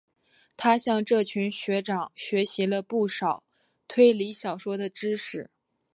他向这群学长学习了不少推理小说的知识。